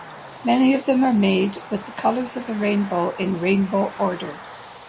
Many of them are made with the colors of the rainbow in rainbow order.